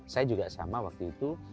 saya juga sama waktu itu